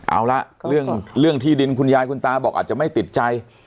เอาละเรื่องที่ดินคุณยายคุณตาบอกอาจจะไม่ติดใจ